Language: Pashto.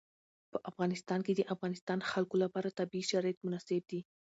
په افغانستان کې د د افغانستان خلکو لپاره طبیعي شرایط مناسب دي.